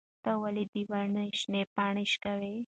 ته ولې د دې ونې شنې پاڼې شوکوې؟